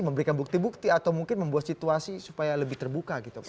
memberikan bukti bukti atau mungkin membuat situasi supaya lebih terbuka gitu pak